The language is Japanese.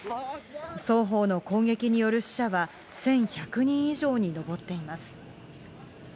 双方の攻撃による死者は１１００人以上に上っています。